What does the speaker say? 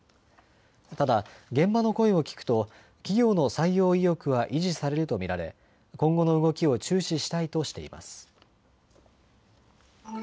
ただ現場の声を聞くと企業の採用意欲は維持されると見られ今後の動きを注視したいとしています。